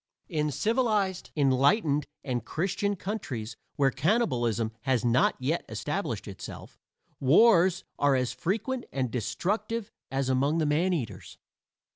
In civilized, enlightened and Christian countries, where cannibalism has not yet established itself, wars are as frequent and destructive as among the maneaters.